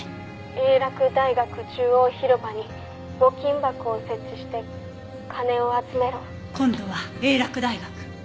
「英洛大学中央広場に募金箱を設置して金を集めろ」今度は英洛大学。